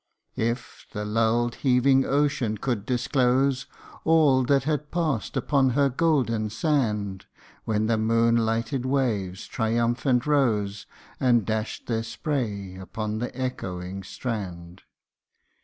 If the lulled heaving ocean could disclose All that has passed upon her golden sand, When the. moon lighted waves triumphant rose, And dashed their spray upon the echoing strand.